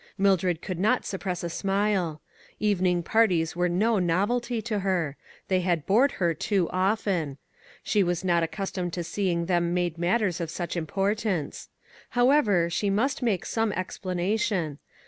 Mildred could not repress a smile. Evening parties were no novelty to her ; they had bored her too often. She was not accustomed to seeing them made matters of 246 ONE COMMONPLACE DAY. such importance. However, she must make some explanation.